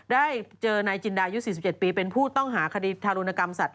ได้เจอนายจินดายุ๔๗ปีเป็นผู้ต้องหาคดีทารุณกรรมสัตว